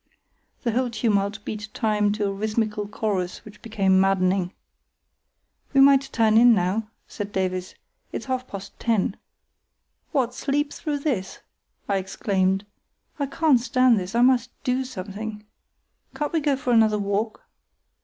The whole tumult beat time to a rhythmical chorus which became maddening. "We might turn in now," said Davies; "it's half past ten." "What, sleep through this?" I exclaimed. "I can't stand this, I must do something. Can't we go for another walk?"